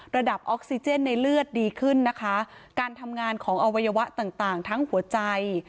ออกซิเจนในเลือดดีขึ้นนะคะการทำงานของอวัยวะต่างต่างทั้งหัวใจ